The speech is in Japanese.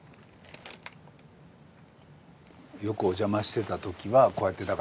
よくお邪魔してた時はこうやってたから。